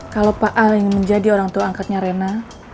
kalau pak al ingin menjadi orang tua angkatnya rena